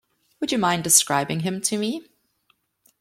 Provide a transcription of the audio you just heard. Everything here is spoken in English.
Would you mind describing him to me?